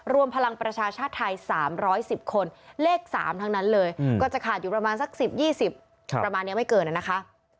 รวมพลังประชาชาติไทย๓๑๐คนเลข๓ทั้งนั้นเลยก็จะขาดอยู่ประมาณสัก๑๐๒๐ประมาณนี้ไม่เกินนะคะ